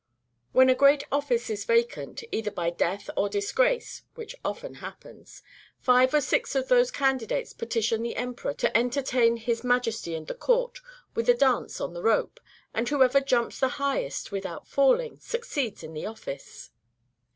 When a great office is vacant, either by death or disgrace (which often happens), five or six of those candidates petition the emperor to entertain his Majesty and the court with a dance on the rope, and whoever jumps the highest, without falling, succeeds in the office.